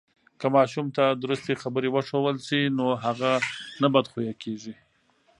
که ماشوم ته درستی خبرې وښودل سي، نو هغه نه بد خویه کیږي.